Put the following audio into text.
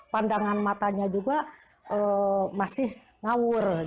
pandangan matanya juga masih ngawur